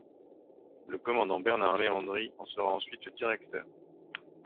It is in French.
Le commandant Bernard Leandri en sera ensuite le directeur.